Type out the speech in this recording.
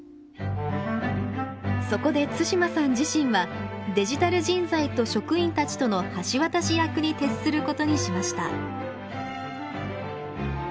そこで、対馬さん自身はデジタル人材と職員たちとの橋渡し役に徹することにしました。